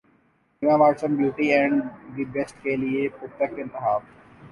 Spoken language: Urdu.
Emma Watson Beauty and the Beast کے لیے پرفیکٹ انتخاب